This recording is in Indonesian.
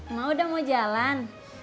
emang udah mau jalan